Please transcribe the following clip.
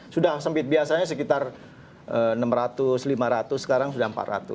sudah sempit biasanya sekitar enam ratus lima ratus sekarang sudah empat ratus